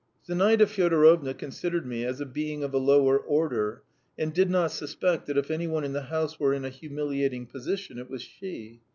Zinaida Fyodorovna considered me as a being of a lower order, and did not suspect that if any one in the house were in a humiliating position it was she.